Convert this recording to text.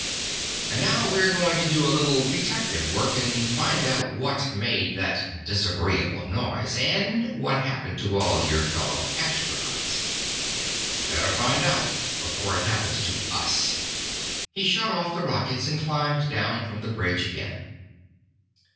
"And now we're going to do a little detective work, and find out what made that disagreeable noise. And what happened to all your fellow astronauts. Better find out, before it happens to us!" He shut off the rockets, and climbed down from the bridge again.